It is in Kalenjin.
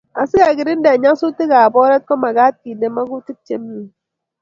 Asikekirinda nyasutikab oret ko makaat kende makutik chemie